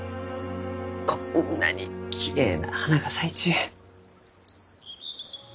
こんなにきれいな花が咲いちゅう。